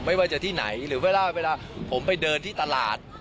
ไม่ว่าจะที่ไหนหรือเวลาผมไปเดินที่ตลาด